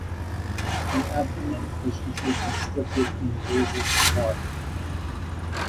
The abdomen is usually constricted in the basal part.